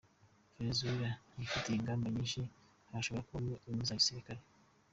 Venezuela tuyifitiye ingamba nyinshi hashobora kubamo n’iza gisirikare.